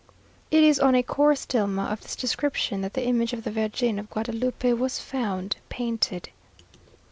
It is on a coarse tilma of this description that the image of the Virgin of Guadalupe was found painted.